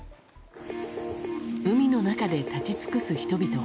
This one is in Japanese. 海の中で立ち尽くす人々。